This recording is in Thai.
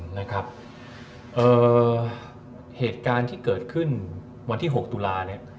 เหตุการณ์ที่เกิดขึ้นวันที่๖ตุลาเนี่ย